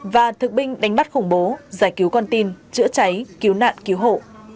và thực binh đánh bắt khủng bố giải cứu con tin chữa cháy cứu nạn cứu hộ